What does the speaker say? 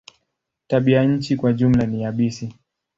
Tabianchi kwa jumla ni yabisi.